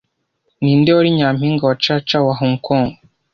Ninde wari nyampinga wa Cha-Cha wa Hong Kong